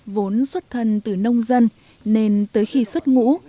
vốn xuất thân từ nông dân nên tới khi xuất ngũ